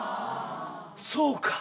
そうか。